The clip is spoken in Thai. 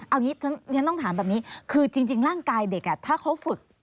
เอาอย่างนี้ฉันต้องถามแบบนี้คือจริงร่างกายเด็กถ้าเขาฝึก